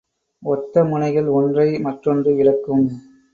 ஒத்த முனைகள் ஒன்றை மற்றொன்று விலக்கும்.